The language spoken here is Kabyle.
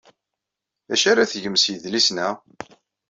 D acu ara tgem s yidlisen-a?